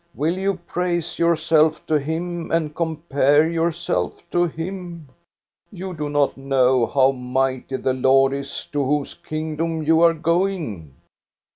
Will you praise yourself to him and compare yourself to him } You do not know how mighty the Lord is to whose kingdom you are going.